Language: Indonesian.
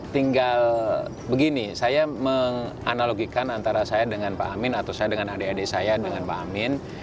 tinggal begini saya menganalogikan antara saya dengan pak amin atau saya dengan adik adik saya dengan pak amin